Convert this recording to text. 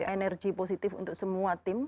energi positif untuk semua tim